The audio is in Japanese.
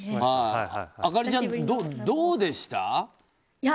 亜香里ちゃん、どうでした？